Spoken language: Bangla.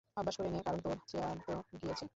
অভ্যাস করে নে, কারন তোর চেয়ারতো গিয়েছে।